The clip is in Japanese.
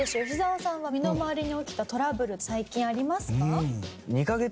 吉沢さんは身の回りに起きたトラブル最近ありますか？